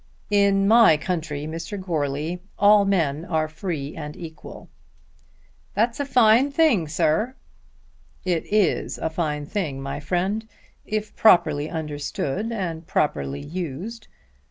"In my country, Mr. Goarly, all men are free and equal." "That's a fine thing, sir." "It is a fine thing, my friend, if properly understood and properly used.